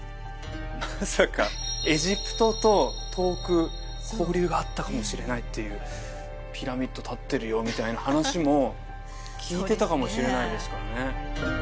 まさかエジプトと遠く交流があったかもしれないっていうピラミッド立ってるよみたいな話も聞いてたかもしれないですからね